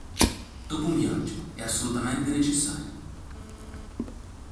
Dopo un viaggio è assolutamente necessaria.